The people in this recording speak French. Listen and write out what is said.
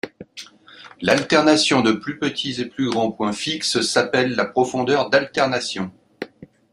L'alternation de plus petits et plus grands points fixes s'appelle la profondeur d'alternation.